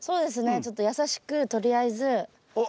ちょっと優しくとりあえず。おっ。